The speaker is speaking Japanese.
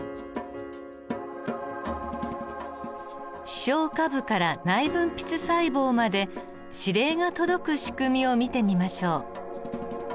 視床下部から内分泌細胞まで指令が届く仕組みを見てみましょう。